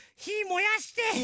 ひもやして。